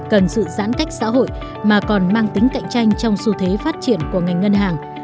cần sự giãn cách xã hội mà còn mang tính cạnh tranh trong xu thế phát triển của ngành ngân hàng